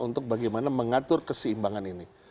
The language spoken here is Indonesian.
untuk bagaimana mengatur keseimbangan ini